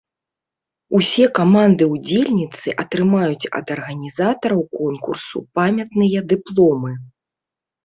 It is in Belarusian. Усе каманды-ўдзельніцы атрымаюць ад арганізатараў конкурсу памятныя дыпломы.